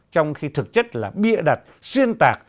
trong khi thực chất là bịa đặt xuyên tạc